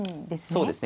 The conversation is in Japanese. そうですね。